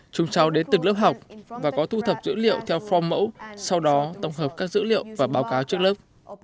chúng cháu đến từng lớp học và có thu thập dữ liệu theo form mẫu sau đó tổng hợp các dữ liệu và báo cáo trước lớp